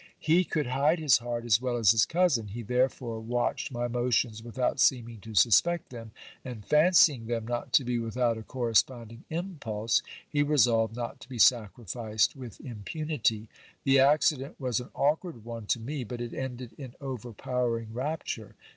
He could hide his heart as well as his cousin ; he there fore watched my motions, without seeming to suspect them ; and fancying them not to be without a corresponding impulse, he resolved not to be sacrificed with impunity. The accident was an awkward one to me, but it ended in overpowering rapture.